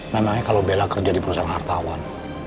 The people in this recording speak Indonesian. memangnya kalau bela kerja di perusahaan hartawan